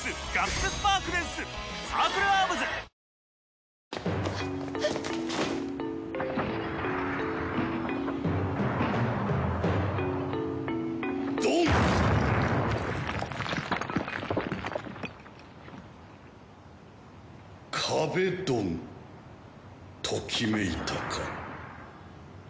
壁ドンときめいたか？